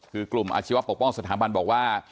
คือกลุ่มอาชีวะปกป้องสถาบันบอกว่า